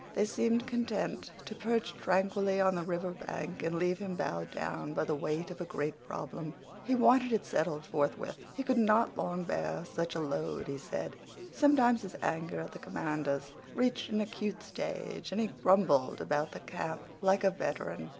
They seemed content to perch tranquilly on the river bank, and leave him bowed down by the weight of a great problem. He wanted it settled forthwith. He could not long bear such a load, he said. Sometimes his anger at the commanders reached an acute stage, and he grumbled about the camp like a veteran.